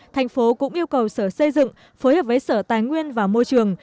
thành phố cũng yêu cầu sở xây dựng phối hợp với sở tài nguyên và môi trường